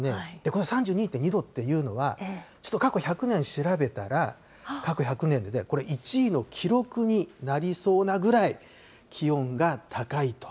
この３２．２度っていうのは、過去１００年調べたら、過去１００年でこれ、１位の記録になりそうなぐらい、気温が高いと。